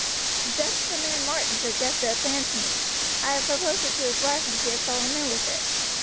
The death of the man Martin suggested a plan to me. I have proposed it to his wife, and she has fallen in with it.